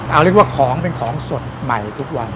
เอาเรียกว่าของเป็นของสดใหม่ทุกวัน